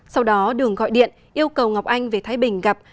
sau đó đường gọi điện yêu cầu ngọc anh về thái bình gặp